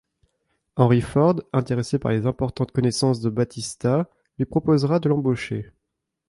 Henry Ford, intéressé par les importantes connaissances de Battista, lui proposera de l'embaucher.